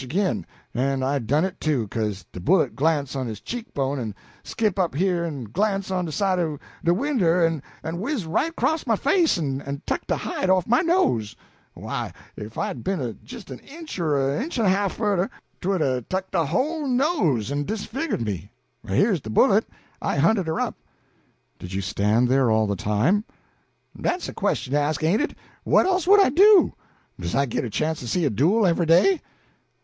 ag'in, en I done it too, 'ca'se de bullet glance' on his cheek bone en skip up here en glance on de side o' de winder en whiz right acrost my face en tuck de hide off'n my nose why, if I'd 'a' be'n jist a inch or a inch en a half furder 't would 'a' tuck de whole nose en disfiggered me. Here's de bullet; I hunted her up." "Did you stand there all the time?" "Dat's a question to ask, ain't it? What else would I do? Does I git a chance to see a duel every day?"